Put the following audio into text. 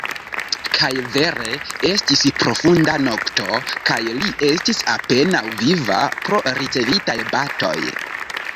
Kaj vere: estis profunda nokto, kaj li estis apenaŭ viva pro ricevitaj batoj.